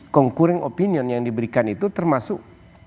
congkuring opinion yang diberikan itu termasuk